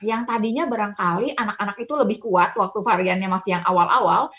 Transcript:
yang tadinya barangkali anak anak itu lebih kuat waktu variannya masih yang awal awal